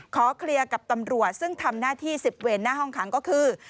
ขอเคลียร์กับตำรวจซึ่งทำหน้าที่๑๐เวนหน้าห้องขังก็คือ